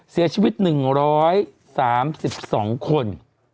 เสียชีวิต๑๓๒คน